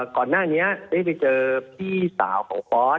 ก่อนหน้านี้ได้ไปเจอพี่สาวของฟอส